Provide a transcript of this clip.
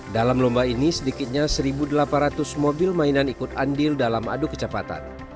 dalam lomba ini sedikitnya satu delapan ratus mobil mainan ikut andil dalam adu kecepatan